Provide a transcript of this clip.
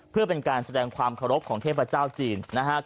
เพื่อเป็นการแสดงความขอรบของเทพเจ้าจีน